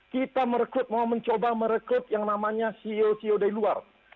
kita merekrut mau mencoba merekrut yang namanya ceo ceo dari luar